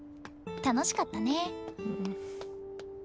楽しかったね。